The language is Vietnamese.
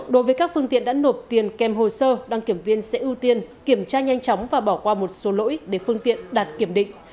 đối với các phương tiện đã nộp tiền kèm hồ sơ đăng kiểm viên sẽ ưu tiên kiểm tra nhanh chóng và bỏ qua một số lỗi để phương tiện đạt kiểm định